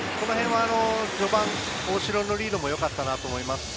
序盤、大城のリードもよかったと思います。